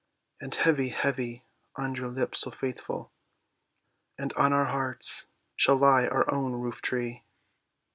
"And heavy, heavy, on our lips so faithful And on our hearts, shall lie our own roof tree."